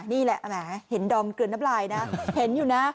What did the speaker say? นี่แหละแหมเห็นดอมเกลือนน้ำลายนะเห็นอยู่นะ